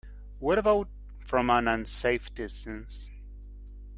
What about from an unsafe distance?